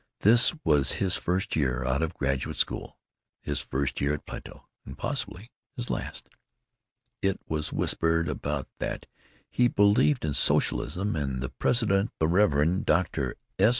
This was his first year out of graduate school, his first year at Plato—and possibly his last. It was whispered about that he believed in socialism, and the president, the Rev. Dr. S.